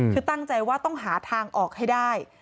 คือตั้งใจว่าต้องหาทางออกให้ได้